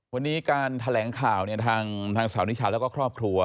วันนี้การแถลงข่าวเนี่ยทางสาวนิชาแล้วก็ครอบครัว